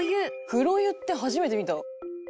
「黒湯って初めて見た」